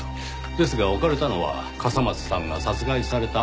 ですが置かれたのは笠松さんが殺害されたあと。